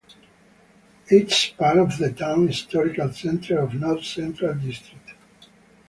It is part of the town historical centre and North-Central District.